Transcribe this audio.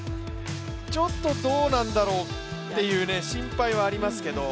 ちょっとどうなんだろうっていう心配はありますけど。